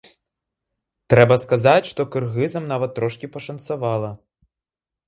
Трэба сказаць, што кыргызам нават трошкі пашанцавала.